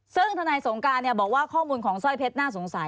ซึ่งทนายสงการบอกว่าข้อมูลของสร้อยเพชรน่าสงสัย